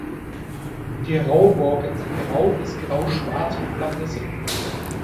Die raue Borke ist grau bis grau-schwarz und flach-rissig.